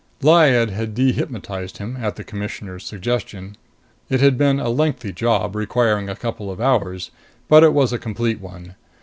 Lyad had dehypnotized him, at the Commissioner's suggestion. It had been a lengthy job, requiring a couple of hours, but it was a complete one.